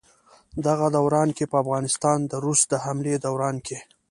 دغه دوران کښې په افغانستان د روس د حملې دوران کښې